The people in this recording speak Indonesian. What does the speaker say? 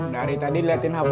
dari tadi liatin hape hape